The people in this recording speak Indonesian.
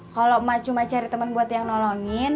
kalau mak cuma cari teman buat yang nolongin